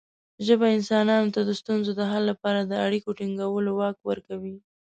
ژبه انسانانو ته د ستونزو د حل لپاره د اړیکو ټینګولو واک ورکوي.